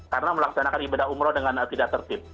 karena melaksanakan ibadah umroh dengan tidak tertib